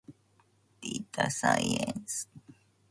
でーたさいえんす。